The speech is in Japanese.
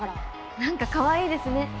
何かかわいいですね